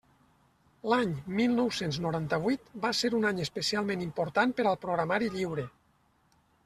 L'any mil nou-cents noranta-vuit va ser un any especialment important per al programari lliure.